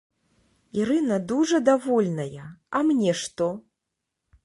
Ірына дужа давольная, а мне што!